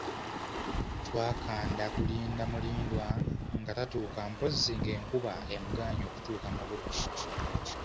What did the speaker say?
Twakanda kulinda Mulindwa nga tatuuka mpozzi ng'enkuba emugaanyi okutuuka mu budde.